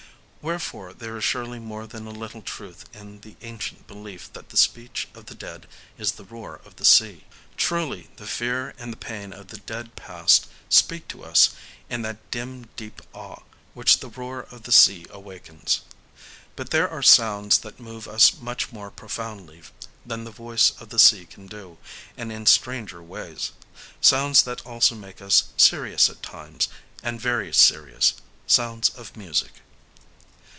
Wherefore there is surely more than a little truth in the ancient belief that the speech of the dead is the roar of the sea. Truly the fear and the pain of the dead past speak to us in that dim deep awe which the roar of the sea awakens. But there are sounds that move us much more profoundly than the voice of the sea can do, and in stranger ways,—sounds that also make us serious at times, and very serious,—sounds of music.